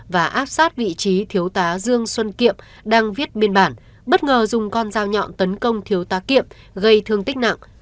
và áp sát vị trí thiếu tá dương xuân kiệm đang viết biên bản bất ngờ dùng con dao nhọn tấn công thiếu tá kiệm gây thương tích nặng